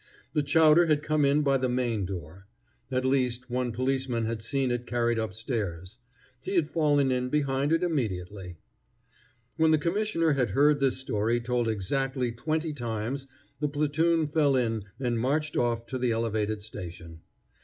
The chowder had come in by the main door. At least, one policeman had seen it carried up stairs. He had fallen in behind it immediately. When the commissioner had heard this story told exactly twenty times the platoon fell in and marched off to the elevated station.